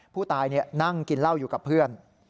ผู้ตายนั่งกินเหล้าอยู่กับเพื่อน